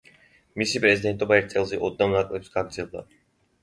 მისი პრეზიდენტობა ერთ წელზე ოდნავ ნაკლებს გაგრძელდა.